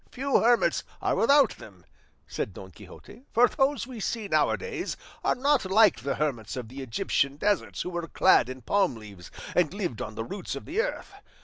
"Few hermits are without them," said Don Quixote; "for those we see now a days are not like the hermits of the Egyptian deserts who were clad in palm leaves, and lived on the roots of the earth.